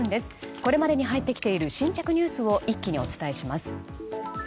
これまでに入ってきている新着ニュースを一気にお伝えします。